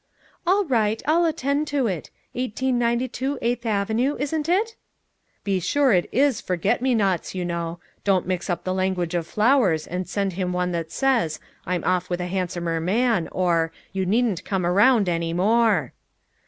"All right, I'll attend to it. Eighteen ninety two Eighth Avenue, isn't it?" "Be sure it is forget me nots, you know. Don't mix up the language of flowers, and send him one that says: 'I'm off with a handsomer man,' or, 'You needn't come round any more!'"